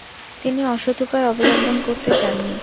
তিনি অসৎ উপায় অবলম্বন করতে চান নি।